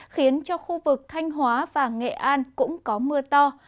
khiến cho khu vực thanh hóa và nghệ an cũng có mưa to